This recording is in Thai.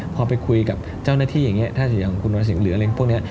พอไปคุยกับเจ้าหน้าที่อย่างนี้ถ้าอย่างคุณวรสิงห์หรืออะไรพวกนี้